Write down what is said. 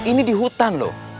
ini di hutan loh